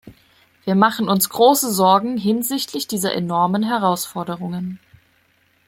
Wir machen uns große Sorgen hinsichtlich dieser enormen Herausforderungen.